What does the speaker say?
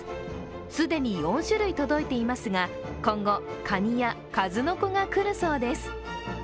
既に４種類届いていますが、今後、かにや数の子が来るそうです